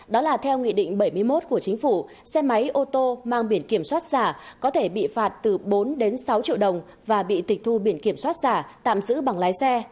đó là theo nghị định bảy mươi một của chính phủ xe máy ô tô mang biển kiểm soát giả có thể bị phạt từ bốn đến sáu triệu đồng và bị tịch thu biển kiểm soát giả tạm giữ bằng lái xe